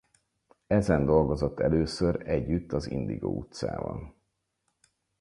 Ezen dolgozott először együtt az Indigó utcával.